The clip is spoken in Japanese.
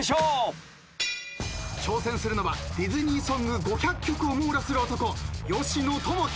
挑戦するのはディズニーソング５００曲を網羅する男吉野友喜。